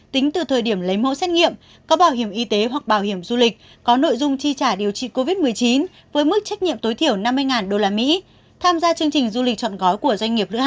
tính từ thời điểm lấy mẫu xét nghiệm có bảo hiểm y tế hoặc bảo hiểm du lịch có nội dung chi trả điều trị covid một mươi chín với mức trách nhiệm tối thiểu năm mươi usd